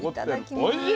おいしい！